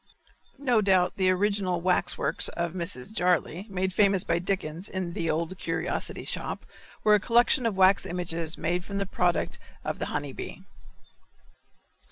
No doubt the original wax works of Mrs. Jarley, made famous by Dickens in "The Old Curiosity Shop," were a collection of wax images made from the product of the honey bee.